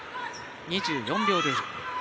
２４秒ルール。